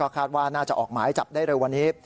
คาดว่าน่าจะออกหมายจับได้เร็ววันนี้